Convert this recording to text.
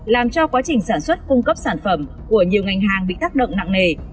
làm cho quá trình sản xuất cung cấp sản phẩm của nhiều ngành hàng bị tác động nặng nề